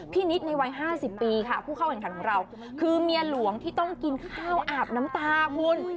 นิดในวัย๕๐ปีค่ะผู้เข้าแข่งขันของเราคือเมียหลวงที่ต้องกินข้าวอาบน้ำตาคุณ